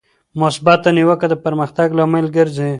مثبته نیوکه د پرمختګ لامل ګرځي.